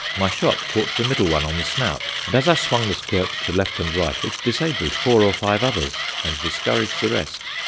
My shot caught the middle one on the snout, and as I swung the squirt to left and right, it disabled four or five others, and discouraged the rest.